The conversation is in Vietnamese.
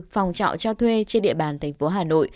phòng trọ cho thuê trên địa bàn tp hcm